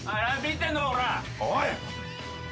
おい！